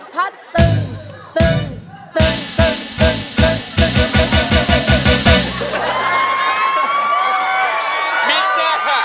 มิตเนี่ย